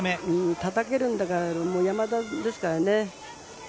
たたけるんだから山田ですからね